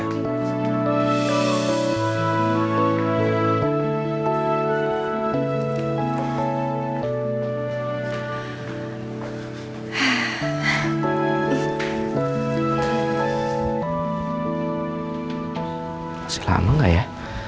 masih lama nggak ya